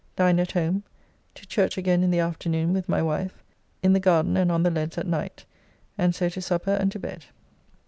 Dined at home. To church again in the afternoon with my wife; in the garden and on the leads at night, and so to supper and to bed.